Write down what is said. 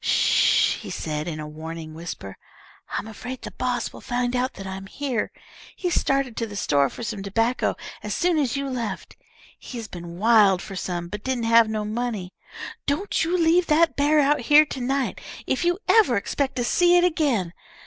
"Sh!" he said, in a warning whisper. "I'm afraid the boss will find out that I'm here. He started to the store for some tobacco as soon as you left. He's been wild fer some, but didn't have no money. _Don't you leave that bear out here to night, if you ever expect to see it again!